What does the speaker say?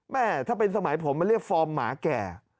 แม่ถ้าเป็นสมัยผมมันเรียกฟอร์มหมาแก่